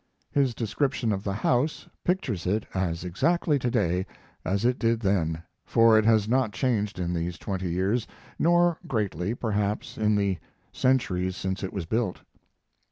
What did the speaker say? His description of the house pictures it as exactly today as it did then, for it has not changed in these twenty years, nor greatly, perhaps, in the centuries since it was built.